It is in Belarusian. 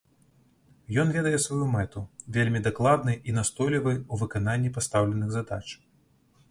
Ён ведае сваю мэту, вельмі дакладны і настойлівы ў выкананні пастаўленых задач.